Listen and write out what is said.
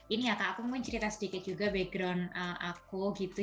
ini ya kak aku mau cerita sedikit juga background aku gitu